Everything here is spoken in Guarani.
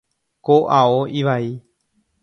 Ko ao ivai.